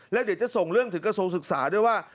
และเด็กจะส่งเรื่องถึงกระโสศึกษาด้วยว่า